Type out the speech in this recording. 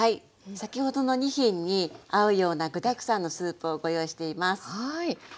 先ほどの２品に合うような具だくさんのスープをご用意しています。